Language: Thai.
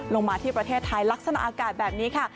มาที่ประเทศไทยลักษณะอากาศแบบนี้ค่ะ